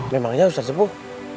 memangnya ustadz sepuh